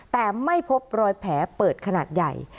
แต่ไม่พบรอยแผลเปิดขนาดใหญ่